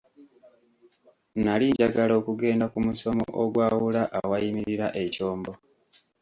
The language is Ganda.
Nali njagala okugenda ku musoma ogwawula awayimirira ekyombo.